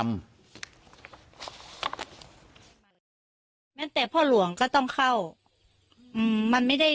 แม้แต่พ่อหลวงก็ต้องเข้า